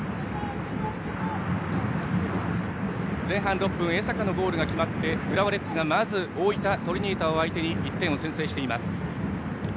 前半６分江坂のゴールが決まって浦和レッズが大分トリニータを相手に１点を先制しています。